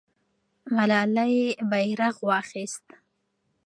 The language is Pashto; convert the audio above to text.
ملالۍ بیرغ واخیست.